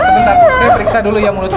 sebentar saya periksa dulu ya mulutku